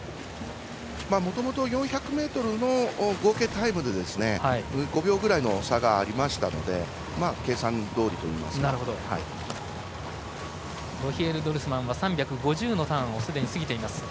もともと４００ｍの合計タイムで５秒くらいの差がありましたのでロヒエル・ドルスマンは３５０のターンをすでに過ぎています。